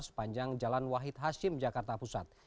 sepanjang jalan wahid hashim jakarta pusat